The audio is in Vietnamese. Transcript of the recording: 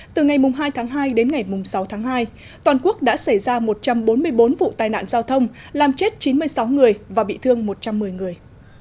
từ ngày hai tháng hai đến ngày sáu tháng hai toàn quốc đã xảy ra một trăm bốn mươi bốn vụ tai nạn giao thông làm chết chín mươi sáu người và bị thương một trăm một mươi người